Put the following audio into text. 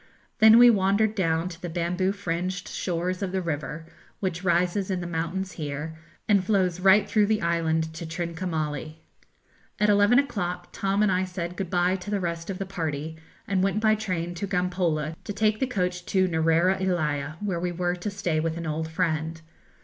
Then we wandered down to the bamboo fringed shores of the river, which rises in the mountains here, and flows right through the island to Trincomalee. At eleven o'clock Tom and I said 'good bye' to the rest of the party, and went by train to Gampola, to take the coach to Neuera ellia, where we were to stay with an old friend.